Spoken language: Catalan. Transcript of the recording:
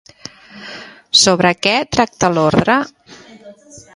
Sobre què tracta l'ordre?